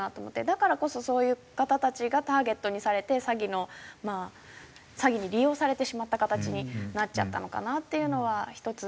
だからこそそういう方たちがターゲットにされて詐欺の詐欺に利用されてしまった形になっちゃったのかなっていうのは一つ。